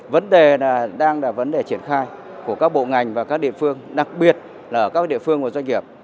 vấn đề đang là vấn đề triển khai của các bộ ngành và các địa phương đặc biệt là ở các địa phương và doanh nghiệp